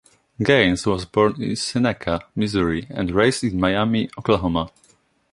Gaines was born in Seneca, Missouri, and raised in Miami, Oklahoma.